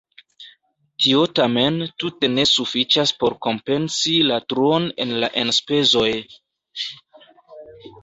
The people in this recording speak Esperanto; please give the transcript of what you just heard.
Tio tamen tute ne sufiĉas por kompensi la truon en la enspezoj.